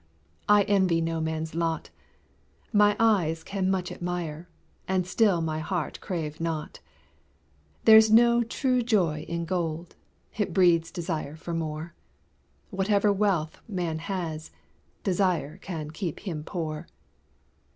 I envy no man's lot; My eyes can much admire, And still my heart crave not; There's no true joy in gold, It breeds desire for more; Whatever wealth man has, Desire can keep him poor.